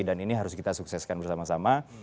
dan ini harus kita sukseskan bersama sama